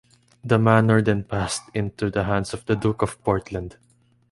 The manor then passed into the hands of the Duke of Portland.